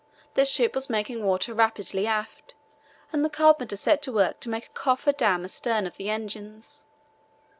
The ship was making water rapidly aft, and the carpenter set to work to make a coffer dam astern of the engines.